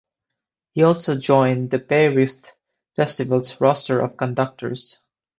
He also joined the Bayreuth Festival's roster of conductors.